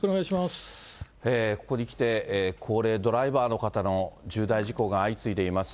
ここにきて、高齢ドライバーの方の重大事故が相次いでいます。